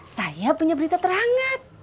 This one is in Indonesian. saya punya berita terangat